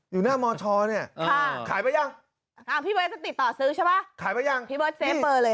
อยู่หน้ามอชอเนี่ยขายไปยังพี่เบ้ยจะติดต่อซื้อใช่ป่ะขายไปยังพี่เบ้ยเซปเปอร์เลย